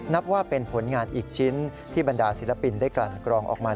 นับว่าเป็นผลงานอีกชิ้นที่บรรดาศิลปินได้กลั่นกรองออกมา